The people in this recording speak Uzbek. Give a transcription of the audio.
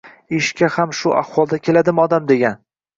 Ishga ham shu ahvolda keladimi odam degan